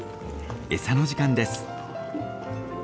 餌の時間です。